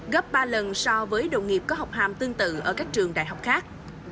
gấp ba lần so với đồng nghiệp có học hàm tương tự ở các trường đại học khác